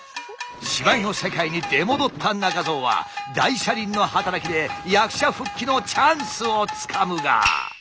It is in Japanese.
芝居の世界に出戻った中蔵は大車輪の働きで役者復帰のチャンスをつかむが。